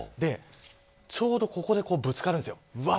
ちょうどここでぶつかるんです。